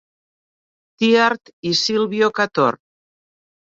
Theard i Silvio Cator.